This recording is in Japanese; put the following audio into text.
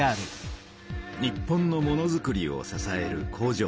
日本のものづくりを支える工場。